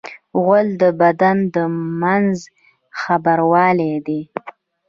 غول د بدن د منځ خبروالی دی.